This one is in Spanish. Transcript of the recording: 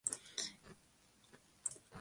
Hughes ganó la pelea por decisión unánime.